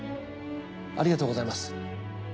ありがとうございます。